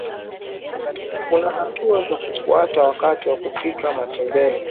kuna hatua za kufata wakati wa kupika matembele